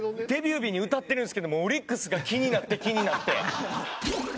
デビュー日に歌ってるんですけどもうオリックスが気になって気になって。